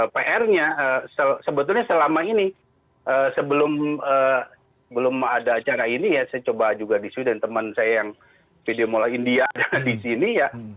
pr nya sebetulnya selama ini sebelum ada acara ini ya saya coba juga di sweden teman saya yang video mola india di sini ya